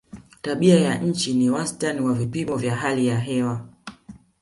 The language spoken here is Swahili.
tabia ya nchi ni wastani wa vipimo vya hali ya hewa